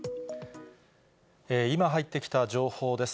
今入ってきた情報です。